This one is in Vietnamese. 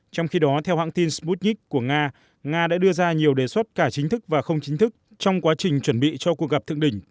trong khi đó theo hãng tin sputnik của nga nga đã đưa ra nhiều đề xuất cả chính thức và không chính thức trong quá trình chuẩn bị cho cuộc gặp thượng đỉnh